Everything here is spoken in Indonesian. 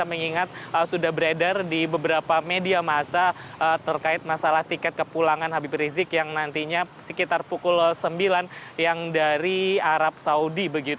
mengingat sudah beredar di beberapa media masa terkait masalah tiket kepulangan habib rizik yang nantinya sekitar pukul sembilan yang dari arab saudi